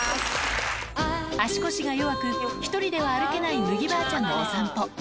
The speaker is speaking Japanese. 足腰が弱く、１人では歩けないむぎばあちゃんのお散歩。